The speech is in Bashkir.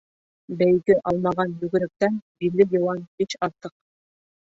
Бәйге алмаған йүгеректән биле йыуан биш артыҡ.